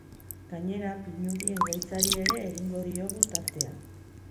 Gainera, pinudien gaitzari ere egingo diogu tartea.